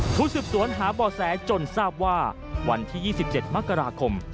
ผู้สืบสวนหาบ่อแสจนทราบว่าวันที่๒๗มกราคม